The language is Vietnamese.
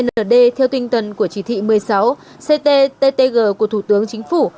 công an phường đã đưa ra lệnh của chỉ thị một mươi sáu ctttg của thủ tướng chính phủ